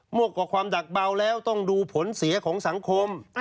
วกกับความดักเบาแล้วต้องดูผลเสียของสังคม